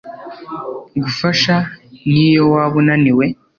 gufasha niyo waba unaniwe